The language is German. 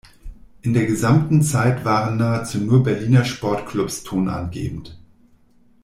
In der gesamten Zeit waren nahezu nur Berliner Sportklubs tonangebend.